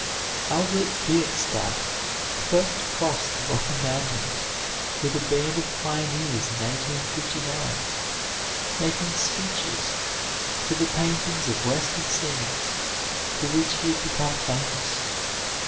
Albert Bierstadt first crossed the Rocky Mountains with a band of pioneers in 1859, making sketches for the paintings of Western scenes for which he had become famous.